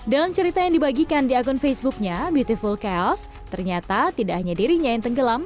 dalam cerita yang dibagikan di akun facebooknya beautiful chaos ternyata tidak hanya dirinya yang tenggelam